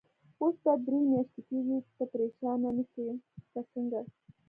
اوس به یې درې میاشتې کېږي، ته پرېشانه نه شوې که څنګه؟